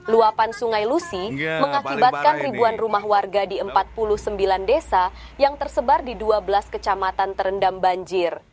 luapan sungai lusi mengakibatkan ribuan rumah warga di empat puluh sembilan desa yang tersebar di dua belas kecamatan terendam banjir